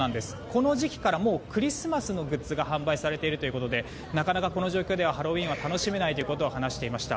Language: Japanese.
この時期からクリスマスグッズが販売されているということでなかなかこの状況ではハロウィーンは楽しめないということを言っていました。